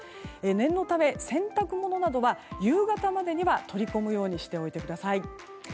念のため洗濯物などは夕方までに取り込むようにしてください。